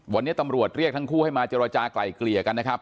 วันนี้ตำรวจเรียกทั้งคู่ให้มาเจรจากลายเกลี่ยกันนะครับ